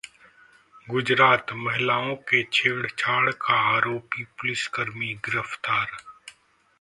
गुजरात: महिलाओं से छेड़छाड़ का आरोपी पुलिसकर्मी गिरफ्तार